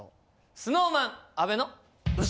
ＳｎｏｗＭａｎ阿部の嘘。